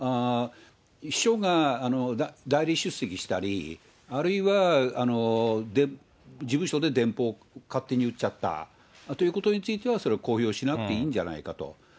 秘書が代理出席したり、あるいは事務所で電報を勝手に打っちゃったということについてはそれを公表しなくていいんじゃないかと。